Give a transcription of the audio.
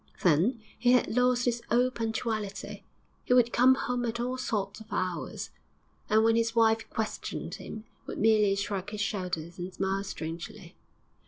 Then he had lost his old punctuality he would come home at all sorts of hours, and, when his wife questioned him, would merely shrug his shoulders and smile strangely.